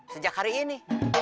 sejak hari ini